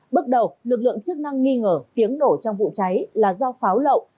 bước đầu lực lượng chức năng nghi ngờ tiếng nổ trong vụ cháy là do pháo lậu